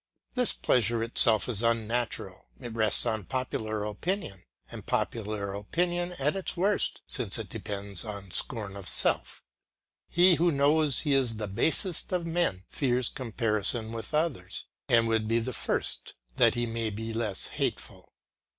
This pleasure itself is unnatural; it rests on popular opinion, and popular opinion at its worst, since it depends on scorn of self. He who knows he is the basest of men fears comparison with others, and would be the first that he may be less hateful.